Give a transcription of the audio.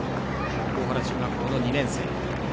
大原中学校の２年生。